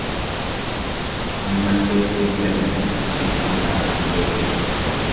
Ammallee siin galle dubbiin abbaa kallee.